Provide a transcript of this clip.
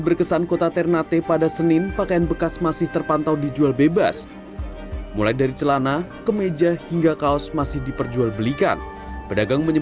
mereka pun tidak mengetahui secara pasti asal muasal dari pakaian yang mereka perdagangkan